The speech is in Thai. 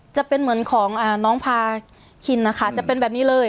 จะเป็นเหมือนของน้องพาคินนะคะจะเป็นแบบนี้เลย